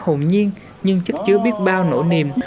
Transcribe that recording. hồn nhiên nhưng chất chứa biết bao nổ niềm